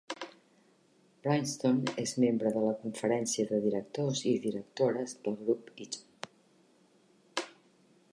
Bryanston és membre de la conferència de directors i directores i del Grup Eton.